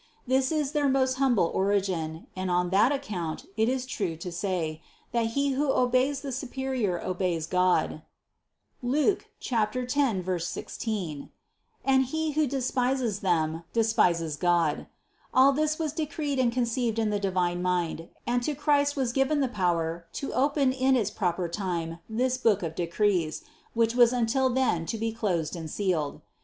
This is their most humble ori gin, and on that account it is true to say, that he who obeys the superior obeys God (Luc. 10, 16), and he who despises them, despises God. All this was decreed and conceived in the divine mind and to Christ was given the power to open in its proper time this book of de crees, which was until then to be closed and sealed.